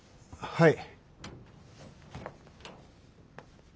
はい。